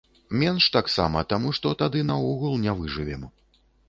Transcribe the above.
Менш таксама, таму што тады наогул не выжывем.